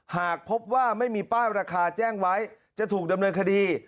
หากพบว่าไม่มีป้ายราคาแจ้งไว้จะถูกดำเนินคดี